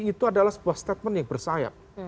itu adalah sebuah statement yang bersayap